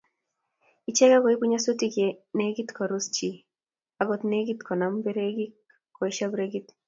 Ichek koibu nyasutik ye negit korus chi agot ngitil konam breki koeshoo brekit